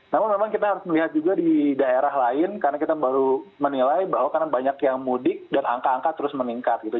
namun memang kita harus melihat juga di daerah lain karena kita baru menilai bahwa karena banyak yang mudik dan angka angka terus meningkat gitu